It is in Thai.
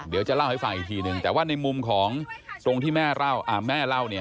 เดี๋ยวจะเล่าให้ฟังอีกทีนึงแต่ว่าในมุมของตรงที่แม่เล่าเนี่ย